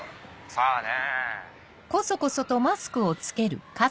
さぁね？